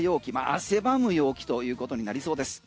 汗ばむ陽気ということになりそうです。